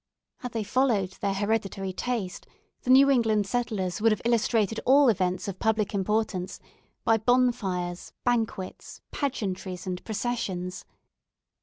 Had they followed their hereditary taste, the New England settlers would have illustrated all events of public importance by bonfires, banquets, pageantries, and processions.